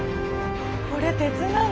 これ鉄なの？